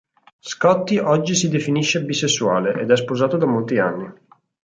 Scotty oggi si definisce bisessuale, ed è sposato da molti anni.